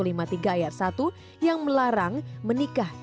yang melarang menikah dengan teman sekantor